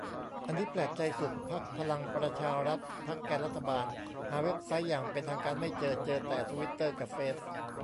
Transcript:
อันนี้แปลกใจสุด พรรคพลังประชารัฐ พรรคแกนรัฐบาล หาเว็บไซต์อย่างเป็นทางการไม่เจอ เจอแต่ทวิตเตอร์กะเฟซ